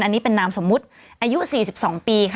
อันนี้เป็นนามสมมุติอายุ๔๒ปีค่ะ